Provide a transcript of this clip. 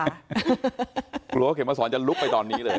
กลัวว่าเข็มมาสอนจะลุกไปตอนนี้เลย